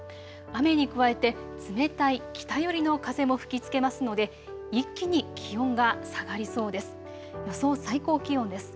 雨に加えて冷たい北寄りの風も吹きつけますので一気に気温が下がりそうです。